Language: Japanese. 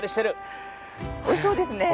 おいしそうですね！